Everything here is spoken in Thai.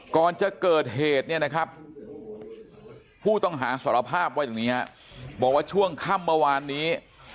ก่อนจะเกิดเหตุเนี่ยนะครับผู้ต้องหาสารภาพว่าอย่างนี้บอกว่าช่วงค่ำเมื่อวานนี้